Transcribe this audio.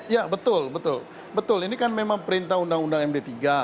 ya betul betul betul ini kan memang perintah undang undang md tiga